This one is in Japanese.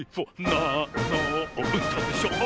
「なんのうたでしょ」